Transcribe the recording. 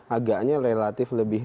agaknya relatif lebih